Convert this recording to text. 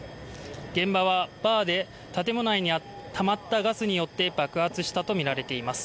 現場はバーで建物内にたまったガスによって爆発したとみられています。